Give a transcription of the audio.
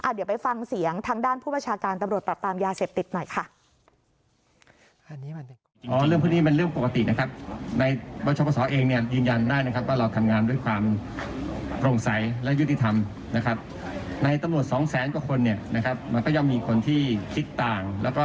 เดี๋ยวไปฟังเสียงทางด้านผู้บัญชาการตำรวจปรับปรามยาเสพติดหน่อยค่ะ